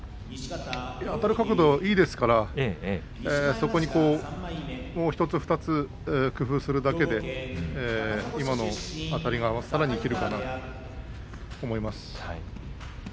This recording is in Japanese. あたる角度がいいですからもう１つ、２つそれだけで今のあたりがさらに生きるかなと思います。